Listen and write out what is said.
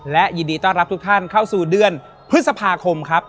และยินดีต้อนรับทุกท่านเข้าสู่เดือนพฤษภาคมครับ